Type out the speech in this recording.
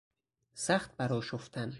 سخت بر آشفتن